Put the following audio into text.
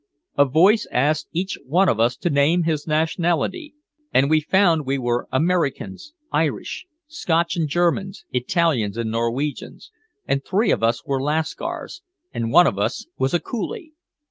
A voice asked each one of us to name his nationality, and we found we were Americans, Irish, Scotch and Germans, Italians and Norwegians, and three of us were Lascars and one of us was a Coolie.